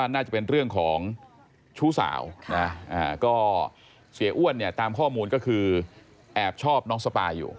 น้องฟอสและน้องสปายอยู่